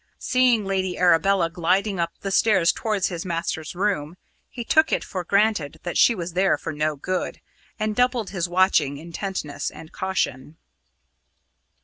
Seeing Lady Arabella gliding up the stairs towards his master's room, he took it for granted that she was there for no good, and doubled his watching intentness and caution.